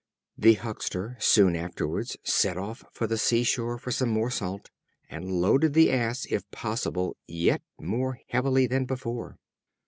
The Huckster soon afterwards set off for the sea shore for some more Salt, and loaded the Ass, if possible, yet more heavily than before.